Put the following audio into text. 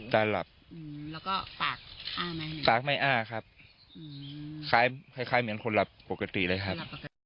ตาหลับอยู่ตาก็ไม่อ้ากครับคล้ายเหมือนคนหลับปกติเลยครับ